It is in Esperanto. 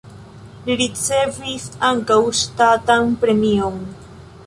Li ricevis ankaŭ ŝtatan premion.